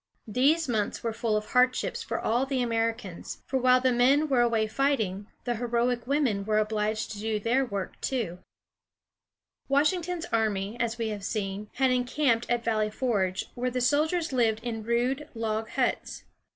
These months were full of hardships for all the Americans, for while the men were away fighting, the heroic women were obliged to do their work too. [Illustration: At Valley Forge.] Washington's army, as we have seen, had encamped at Valley Forge, where the soldiers lived in rude log huts.